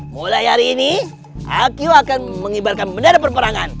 mulai hari ini akiu akan mengibarkan bendera perperangan